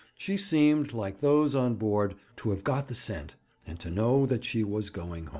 She seemed, like those on board, to have got the scent, and to know that she was going home.